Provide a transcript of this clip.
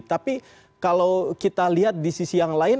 tapi kalau kita lihat di sisi yang lain